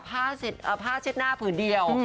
ผ้าเช็ดหน้าผืนเดียว